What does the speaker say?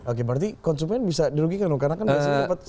oke berarti konsumen bisa dirugikan loh karena kan biasanya dapat